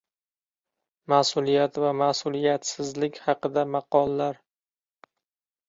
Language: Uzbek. Mas’uliyat va mas’uliyatsizlik haqida maqollar.